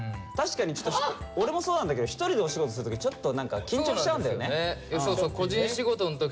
確かにちょっと俺もそうなんだけど１人でお仕事する時ちょっと何か緊張しちゃうんだよね。